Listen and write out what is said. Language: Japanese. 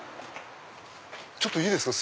ちょっといいですか？